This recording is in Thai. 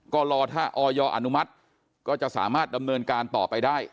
ก็รอถ้าออยอนุมัติก็จะสามารถดำเนินการต่อไปได้